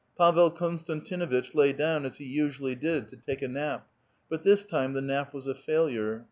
Pavel Konstantinuiteh lay down, as he usually did, to take a nap, but this time the nap was a failure.